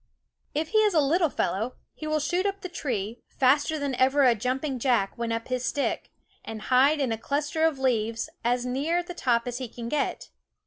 If he is a little fellow, he will shoot up the tree, faster than ever a jumping jack went up his stick, and hide in a cluster of leaves, as near the top as he can get.